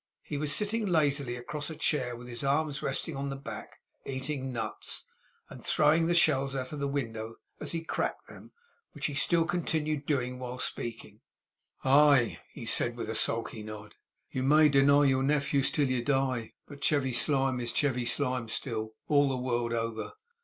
He was sitting lazily across a chair with his arms resting on the back; eating nuts, and throwing the shells out of window as he cracked them, which he still continued to do while speaking. 'Aye,' he said, with a sulky nod. 'You may deny your nephews till you die; but Chevy Slyme is Chevy Slyme still, all the world over.